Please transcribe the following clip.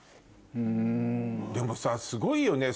でもさすごいよね。